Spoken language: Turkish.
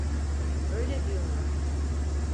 Öyle diyorlar.